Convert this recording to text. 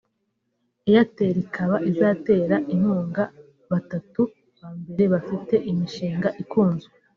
Airtel ikaba izatera inkunga batatu ba mbere bafite imishinga ikunzwe